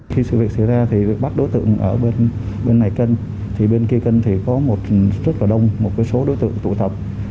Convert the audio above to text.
khi sự việc xảy ra thì bị bắt đối tượng ở bên này cân thì bên kia cân thì có một rất là đông một số đối tượng tụ tập